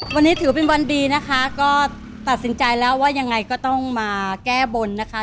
วันนี้ถือเป็นวันดีนะคะก็ตัดสินใจแล้วว่ายังไงก็ต้องมาแก้บนนะคะ